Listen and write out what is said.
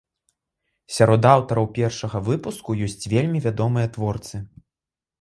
Сярод аўтараў першага выпуску ёсць вельмі вядомыя творцы.